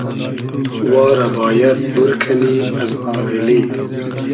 وا رۂ بایئد بور کئنی از آغیلی